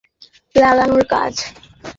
এটা শুধু খোলা আর লাগানোর কাজ।